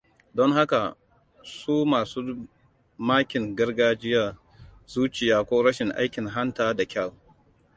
Don haka, su masun makin gargajiyar zuciya ko rashin aikin hanta da kyau.